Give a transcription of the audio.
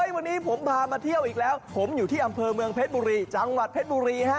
วันนี้ผมพามาเที่ยวอีกแล้วผมอยู่ที่อำเภอเมืองเพชรบุรีจังหวัดเพชรบุรีฮะ